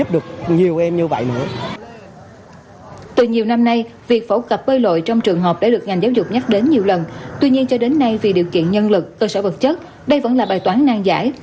từ nhiều năm nay việc phổ cập bơi lội trong trường hợp đã được ngành giáo dục nhắc đến nhiều lần tuy nhiên cho đến nay vì điều kiện nhân lực cơ sở vật chất đây vẫn là bài toán nang giải